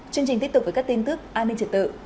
chương trình tiếp tục với các tin tức an ninh trật tự